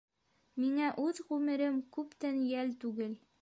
Миңә үҙ ғүмерем күптән йәл түгел...